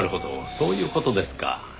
そういう事ですか。